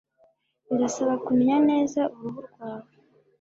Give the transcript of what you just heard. Birasaba kumenya neza uruhu rwawe,